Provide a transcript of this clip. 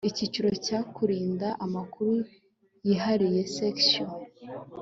icyiciro cya kurinda amakuru yihariye sectio